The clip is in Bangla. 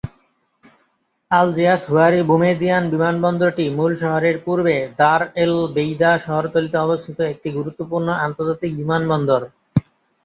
আলজিয়ার্স-হুয়ারি-বুমেদিয়েন বিমানবন্দরটি মূল শহরের পূর্বে দার এল-বেইদা শহরতলীতে অবস্থিত একটি গুরুত্বপূর্ণ আন্তর্জাতিক বিমানবন্দর।